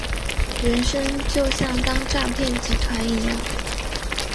人生就像当诈骗集团一样